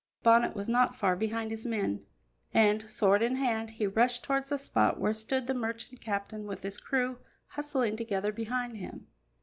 Bonnet was not far behind his men, and, sword in hand, he rushed towards the spot where stood the merchant captain with his crew hustling together behind him.